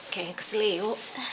kayaknya kesel ya